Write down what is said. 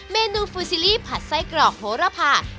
เมนูฟูซิลิผัดไส้กรอกโฮระแผ่